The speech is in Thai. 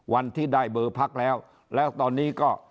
วันที่ได้เบอร์พักแล้วแล้วตอนนี้ก็